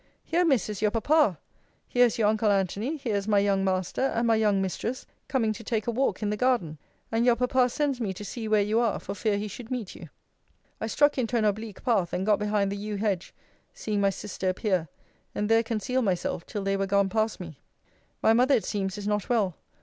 Here, Miss, is your papa here is your uncle Antony here is my young master and my young mistress, coming to take a walk in the garden; and your papa sends me to see where you are, for fear he should meet you. I struck into an oblique path, and got behind the yew hedge, seeing my sister appear; and there concealed myself till they were gone past me. My mother, it seems is not well.